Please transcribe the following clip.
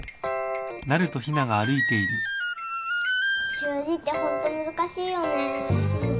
習字ってホント難しいよね。